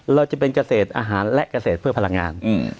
เราจะเป็นเกษตรอาหารและเกษตรเพื่อพลังงาน